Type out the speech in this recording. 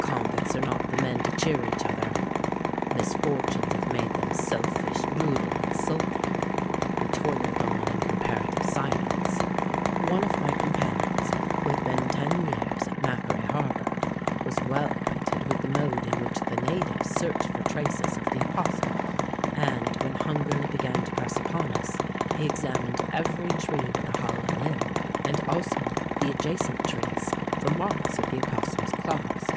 Convicts are not the men to cheer each other: misfortunes have made them selfish, brutal, and sulky. We toiled on in comparative silence. One of my companions, who had been ten years at Macquarie Harbour, was well acquainted with the mode in which the natives search for traces of the opossum; and, when hunger began to press upon us, he examined every tree with a hollow limb, and also the adjacent trees for marks of the opossum's claws.